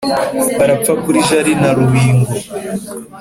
barapfa kuri jari na rubingo